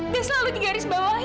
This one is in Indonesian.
selalu di garis bawahi